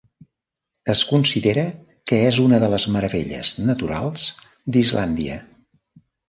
Es considera que és una de les meravelles naturals d'Islàndia.